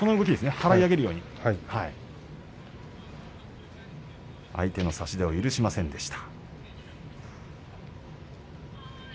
払い上げるように相手の差し手を許しませんでした。